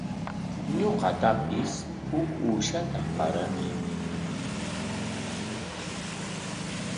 Ñuqatapis huk uushata qaramay.